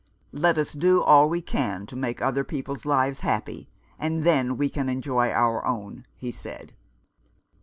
" Let us do all we can to make other people's lives happy, and then we can enjoy our own," he said.